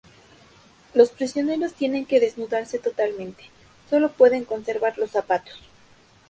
Los prisioneros tienen que desnudarse totalmente, solo pueden conservar los zapatos.